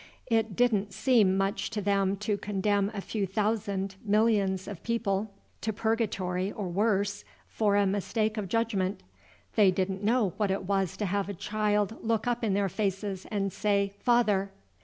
It did n't seem much to them to condemn a few thousand millions of people to purgatory or worse for a mistake of judgment. They didn't know what it was to have a child look up in their faces and say 'Father!'